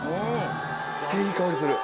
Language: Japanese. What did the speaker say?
すっげぇいい香りする。